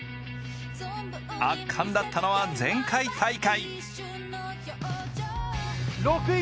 圧巻だったのは前回大会。